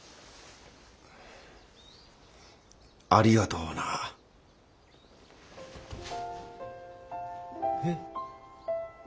ありがとうな。えっ？